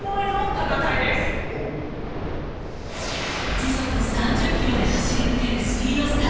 時速３０キロで走る抜けるスピードスター。